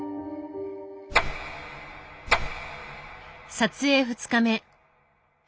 撮影２日目。